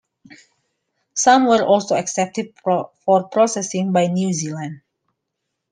Some were also accepted for processing by New Zealand.